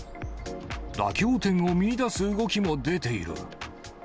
妥協点を見いだす動きも出ている。